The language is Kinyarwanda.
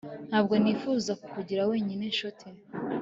ntabwo nifuza kukugira wenyine, nshuti